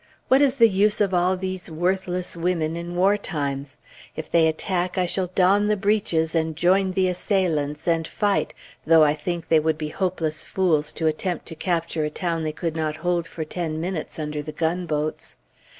What is the use of all these worthless women, in war times? If they attack, I shall don the breeches, and join the assailants, and fight, though I think they would be hopeless fools to attempt to capture a town they could not hold for ten minutes under the gunboats.